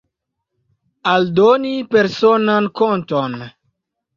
Aldoni personan konton.